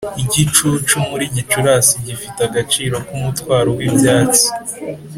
igicucu muri gicurasi gifite agaciro k'umutwaro w'ibyatsi;